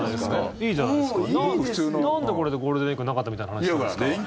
いいじゃないですかなんでこれでゴールデンウィークなかったみたいな話するんですか。